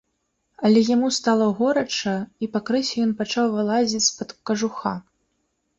Але яму стала горача, і пакрысе ён пачаў вылазіць з-пад кажуха.